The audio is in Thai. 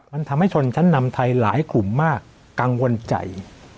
มันทำให้ชนชั้นนำไทยหลายกลุ่มมากกังวลใจ